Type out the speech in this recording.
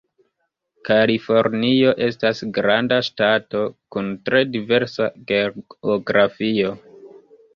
Kalifornio estas granda ŝtato kun tre diversa geografio.